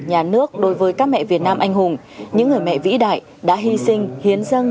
nhà nước đối với các mẹ việt nam anh hùng những người mẹ vĩ đại đã hy sinh hiến dân